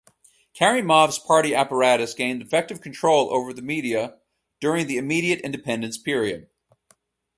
Karimov's Party apparatus gained effective control over the media during the immediate independence period.